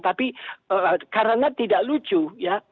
tapi karena tidak lucu ya